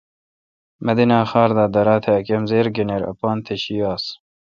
مدینہ خار دا درا۔ تہ ا کمزِر گنیراے اپان تہ شی آس۔